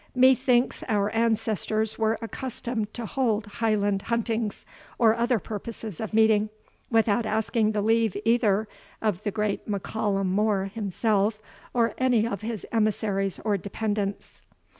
Methinks our ancestors were accustomed to hold Highland huntings, or other purposes of meeting, without asking the leave either of the great M'Callum More himself, or any of his emissaries or dependents."